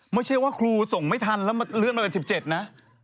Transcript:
ไม่ใช่ว่าครูส่งไม่ทันแล้วเลื่อนมาเป็น๑๗นะ